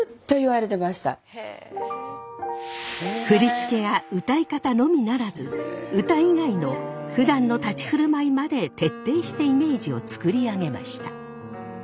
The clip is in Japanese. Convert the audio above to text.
振り付けや歌い方のみならず歌以外のふだんの立ち振る舞いまで徹底してイメージを作り上げました。